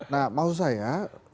nah maksud saya